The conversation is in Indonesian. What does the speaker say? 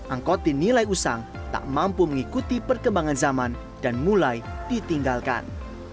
angkot dinilai usang tak mampu mengikuti perkembangan zaman dan mulai ditinggalkan